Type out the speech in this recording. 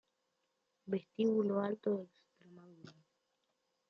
Vestíbulo Alto de Extremadura